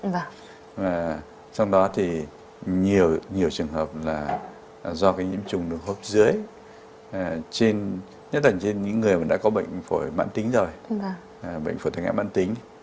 và trong đó thì nhiều trường hợp là do cái nhiễm trùng đường hô hấp dưới nhất là trên những người đã có bệnh phổi mãn tính rồi bệnh phổi thường hệ mãn tính